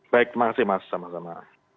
baik terima kasih mas sama sama